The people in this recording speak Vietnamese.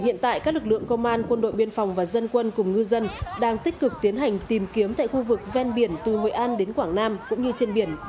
hiện tại các lực lượng công an quân đội biên phòng và dân quân cùng ngư dân đang tích cực tiến hành tìm kiếm tại khu vực ven biển từ nghệ an đến quảng nam cũng như trên biển